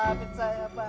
sumpah pak bukan saya pak